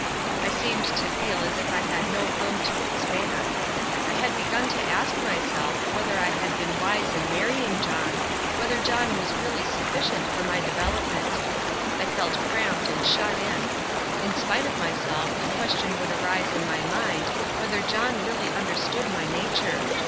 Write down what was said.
I seemed to feel as if I had no room to expand. I had begun to ask myself whether I had been wise in marrying John, whether John was really sufficient for my development. I felt cramped and shut in. In spite of myself the question would arise in my mind whether John really understood my nature.